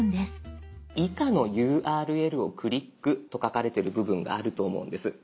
「以下のＵＲＬをクリック」と書かれてる部分があると思うんです。